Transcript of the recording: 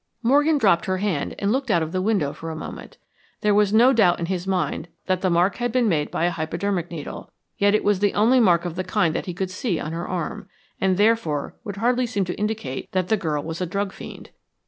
Morgan dropped her hand and looked out of the window for a moment. There was no doubt in his mind that the mark had been made by a hypodermic needle, yet it was the only mark of the kind that he could see on her arm, and therefore would hardly seem to indicate that the girl was a drug fiend.